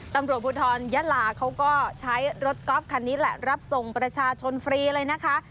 ตำรวจภูทรยะลาเขาก็ใช้รถก๊อฟคันนี้แหละรับส่งประชาชนฟรีเลยนะคะ